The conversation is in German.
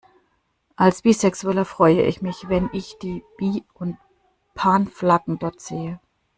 Als Bisexueller freu ich mich, wenn ich die Bi- und Pan-Flaggen dort sehe.